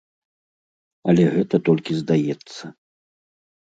Але гэта толькі здаецца.